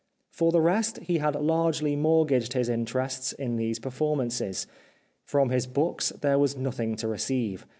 For the rest, he had largely mortgaged his interests in these performances. From his books there was nothing to receive.